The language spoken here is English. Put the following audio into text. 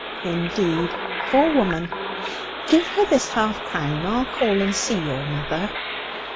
"Indeed! poor woman. Give her this half crown. I'll call and see your mother."